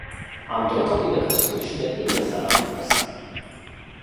Am doi copii de crescut și depind de salariul ăsta.